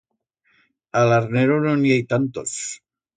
A l'arnero no en i hei tantos.